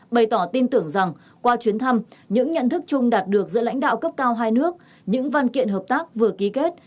bày tỏ tin tưởng rằng qua chuyến thăm những nhận thức chung đạt được giữa lãnh đạo cấp cao hai nước những văn kiện hợp tác vừa ký kết